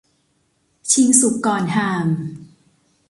ชิงสุกก่อนห่าม